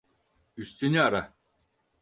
Üstünü ara.